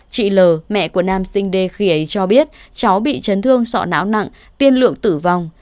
chị l mẹ của nam sinh đê khỉ cho biết cháu bị chấn thương sọ não nặng tiên lượng tử vong